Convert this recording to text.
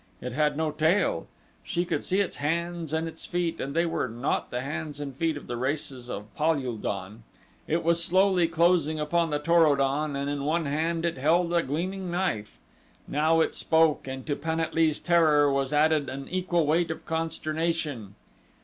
It had no tail. She could see its hands and its feet, and they were not the hands and feet of the races of Pal ul don. It was slowly closing upon the Tor o don and in one hand it held a gleaming knife. Now it spoke and to Pan at lee's terror was added an equal weight of consternation.